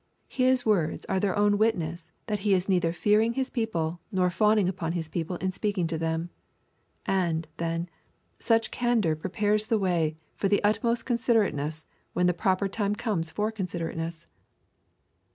His words are their own witness that he is neither fearing his people nor fawning upon his people in speaking to them. And, then, such candour prepares the way for the utmost considerateness when the proper time comes for considerateness.